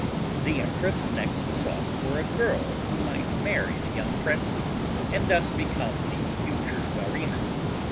The empress next sought for a girl who might marry the young prince and thus become the future Czarina.